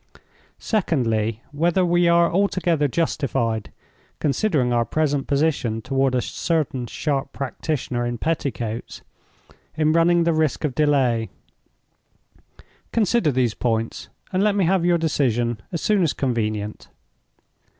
Secondly, whether we are altogether justified—considering our present position toward a certain sharp practitioner in petticoats—in running the risk of delay. Consider these points, and let me have your decision as soon as convenient."